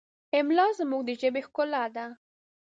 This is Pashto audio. املا زموږ د ژبې ښکلا ده.